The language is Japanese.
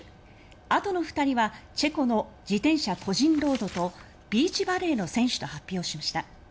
あとの２人はチェコの自転車個人ロードとビーチバレーの選手と発表しました。